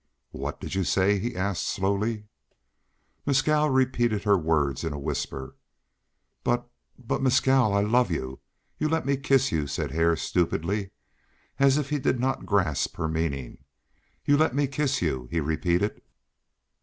"What did you say?" he asked, slowly. Mescal repeated her words in a whisper. "But but Mescal I love you. You let me kiss you," said Hare stupidly, as if he did not grasp her meaning. "You let me kiss you," he repeated.